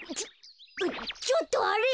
ちょっとあれ！